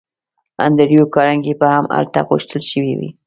انډریو کارنګي به هم هلته غوښتل شوی وي